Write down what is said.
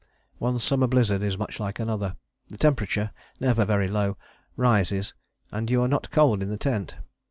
One summer blizzard is much like another. The temperature, never very low, rises, and you are not cold in the tent.